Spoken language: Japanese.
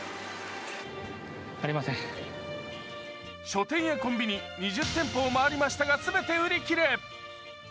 書店やコンビニ２０店舗を回りましたが、全て売り切れ。